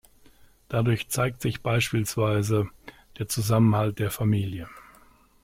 Dadurch zeigt sich beispielsweise der Zusammenhalt der Familie.